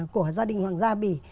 của gia đình hoàng gia bỉ